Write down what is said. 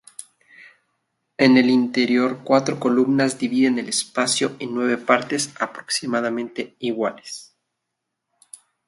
En el interior cuatro columnas dividen el espacio en nueve partes aproximadamente iguales.